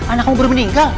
anak kamu baru meninggal